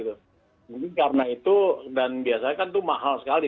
mungkin karena itu dan biasanya kan itu mahal sekali